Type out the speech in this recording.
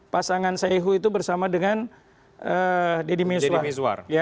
pasangan seyhu itu bersama dengan deddy mizwar